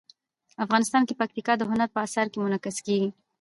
افغانستان کې پکتیکا د هنر په اثار کې منعکس کېږي.